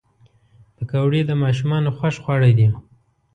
پکورې د ماشومانو خوښ خواړه دي